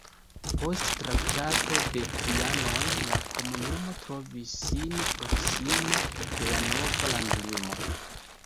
Post Traktato de Trianon la komunumo trovis sin proksime de la nova landlimo.